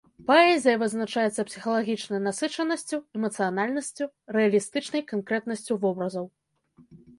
Паэзія вызначаецца псіхалагічнай насычанасцю, эмацыянальнасцю, рэалістычнай канкрэтнасцю вобразаў.